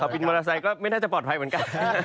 วินมอเตอร์ไซค์ก็ไม่น่าจะปลอดภัยเหมือนกัน